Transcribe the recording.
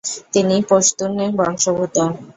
তিনি পশতুন বংশোদ্ভুত।